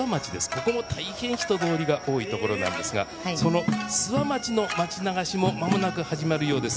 ここも大変、人通りが多いところなんですがその諏訪町の町流しもまもなく始まるようです。